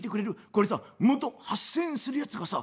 これさ元８，０００円するやつがさ